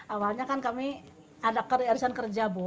awalnya kan kami ada arisan kerja bu